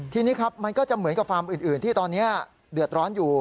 ทีนี้ครับมันก็จะเหมือนกับฟาร์มอื่นที่ตอนนี้เดือดร้อนอยู่